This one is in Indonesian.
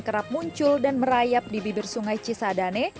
kerap muncul dan merayap di bibir sungai cisadane